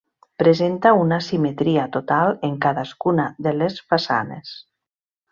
Presenta una simetria total en cadascuna de les façanes.